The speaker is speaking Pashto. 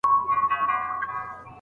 که یو زده کوونکی په املا کي جدي وي.